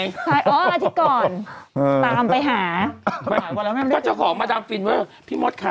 ใช่อ๋ออาทิตย์ก่อนเออตามไปหาก็จะขอมาดังฟินว่าพี่มดค่ะ